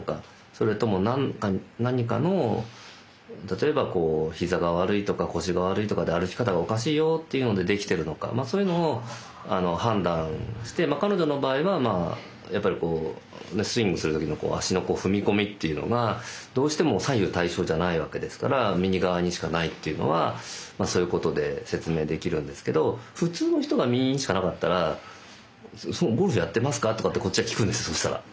それとも何かの例えば膝が悪いとか腰が悪いとかで歩き方がおかしいよっていうのでできてるのかそういうのを判断して彼女の場合はスイングする時の足の踏み込みっていうのがどうしても左右対称じゃないわけですから右側にしかないっていうのはそういうことで説明できるんですけど普通の人が右にしかなかったら「ゴルフやってますか？」とかってこっちが聞くんですそしたら。